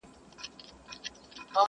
o پردى غوښه په ځان پوري نه مښلي٫